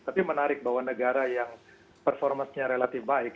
tapi menarik bahwa negara yang performasinya relatif baik